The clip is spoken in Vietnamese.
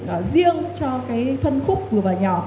riêng cho cái phân khúc vừa và nhỏ